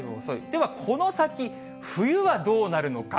では、この先冬はどうなるのか。